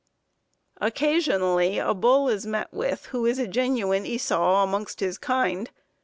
Occasionally a bull is met with who is a genuine Esau amongst his kind.